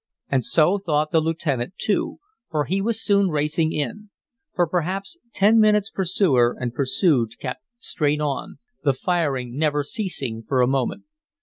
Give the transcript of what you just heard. And so thought the lieutenant, too, for he was soon racing in. For perhaps ten minutes pursuer and pursued kept straight on, the firing never ceasing for a moment.